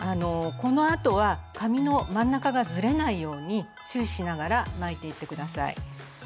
このあとは紙の真ん中がずれないように注意しながら巻いていって下さい。